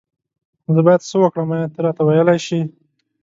زه بايد سه وکړم آيا ته راته ويلي شي